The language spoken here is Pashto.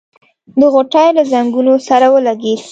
د غوټۍ له ځنګنو سره ولګېد.